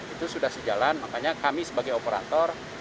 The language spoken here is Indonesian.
itu sudah sejalan makanya kami sebagai operator